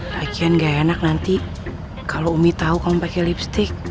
kajian gak enak nanti kalau umi tahu kalau pakai lipstick